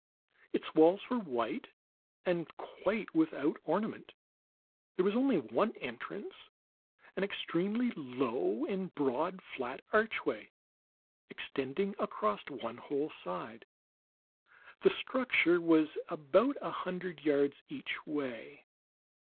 Its walls were white and quite without ornament; there was only one entrance, an extremely low and broad, flat archway, extending across one whole side. The structure was about a hundred yards each way.